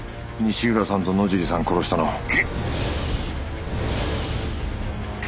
西浦さんと野尻さん殺したの。